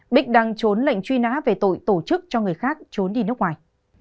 bích đang trốn lệnh truy nã về tội tổ chức cho người khác trốn đi nước ngoài